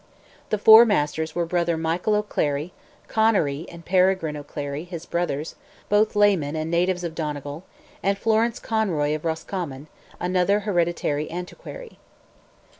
The "Four Masters" were Brother Michael O'Clery, Conary and Peregrine O'Clery, his brothers, both laymen and natives of Donegal, and Florence Conroy of Roscommon, another hereditary antiquary.